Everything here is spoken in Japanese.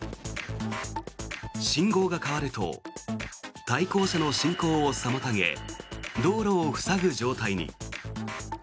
信号が変わると対向車の進行を妨げ道路を塞ぐ状態に。